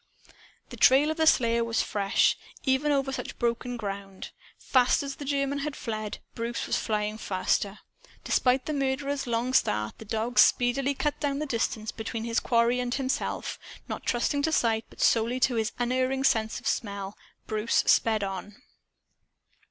The trail of the slayer was fresh, even over such broken ground. Fast as the German had fled, Bruce was flying faster. Despite the murderer's long start, the dog speedily cut down the distance between his quarry and himself. Not trusting to sight, but solely to his unerring sense of smell. Bruce sped on.